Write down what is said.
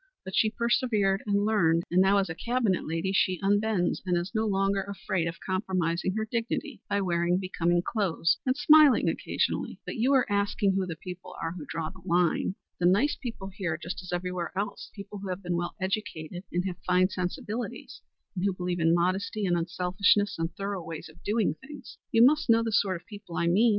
But she persevered and learned, and now as a Cabinet lady she unbends, and is no longer afraid of compromising her dignity by wearing becoming clothes and smiling occasionally. But you were asking who the people are who draw the line. The nice people here just as everywhere else; the people who have been well educated and have fine sensibilities, and who believe in modesty, and unselfishness and thorough ways of doing things. You must know the sort of people I mean.